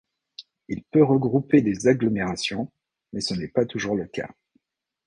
Il peut regrouper des agglomérations mais ce n'est pas toujours le cas.